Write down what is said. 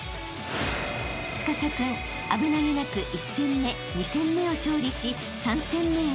［司君危なげなく１戦目２戦目を勝利し３戦目へ］